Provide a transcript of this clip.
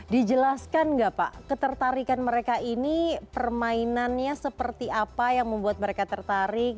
dijelaskan nggak pak ketertarikan mereka ini permainannya seperti apa yang membuat mereka tertarik